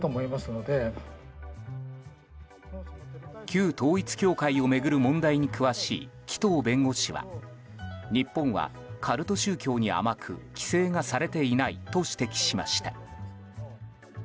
旧統一教会を巡る問題に詳しい紀藤弁護士は日本はカルト宗教に甘く規制がされていないと指摘しました。